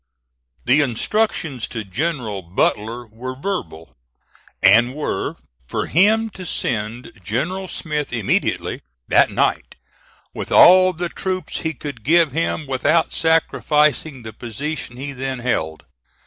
The instructions to General Butler were verbal, and were for him to send General Smith immediately, that night, with all the troops he could give him without sacrificing the position he then held.